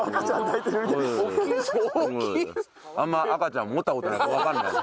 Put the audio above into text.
あんま赤ちゃん持った事ないからわかんない。